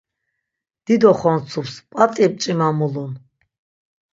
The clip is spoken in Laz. Dido xontsups p̆at̆i mç̆ima mulun.